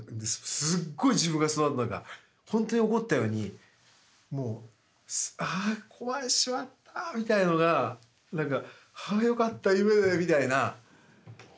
すっごい自分がそのあと何か本当に起こったようにもう「ああ怖いしまった」みたいなのが何か「はぁ良かった夢で」みたいな。